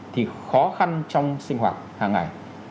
thì khó khăn trong sinh hoạt hàng ngày